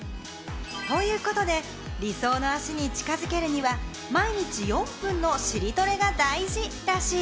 ということで理想の脚に近づけるには毎日４分の尻トレが大事らしい。